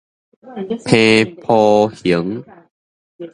伻鋪還